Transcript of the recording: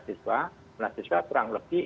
siswa kelas siswa kurang lebih